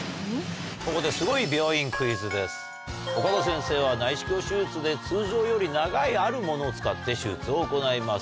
岡田先生は内視鏡手術で通常より長いあるものを使って手術を行います。